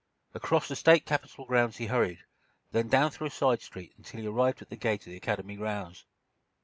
Across the State Capitol grounds he hurried, then down through a side street until he arrived at the gate of the Academy grounds.